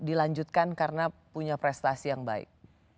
dilanjutkan karena punya prestasi yang baik